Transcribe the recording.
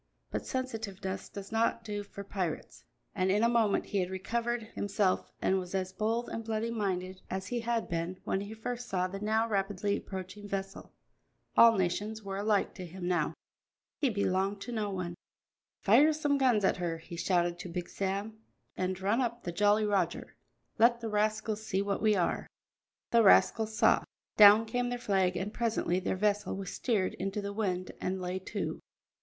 But sensitiveness does not do for pirates, and in a moment he had recovered himself and was as bold and bloody minded as he had been when he first saw the now rapidly approaching vessel. All nations were alike to him now, and he belonged to none. "Fire some guns at her," he shouted to Big Sam, "and run up the Jolly Roger; let the rascals see what we are." The rascals saw. Down came their flag, and presently their vessel was steered into the wind and lay to.